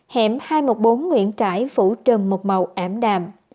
hẻm hai trăm một mươi bốn nguyễn trãi phủ trầm một màu ảm đạm